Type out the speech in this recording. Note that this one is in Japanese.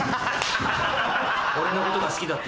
俺のことが好きだって。